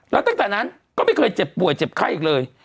แล้วตั้งแต่นั้นก็ไม่เคยเจ็บป่วยเจ็บไข้อีกเลย